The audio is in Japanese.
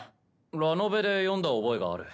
ラノベで読んだ覚えがある。